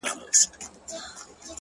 د نازولي یار په یاد کي اوښکي غم نه دی،